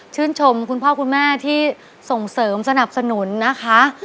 ชื่นชมคุณพ่อคุณแม่ที่ส่งเสริมสนับสนุนนะคะ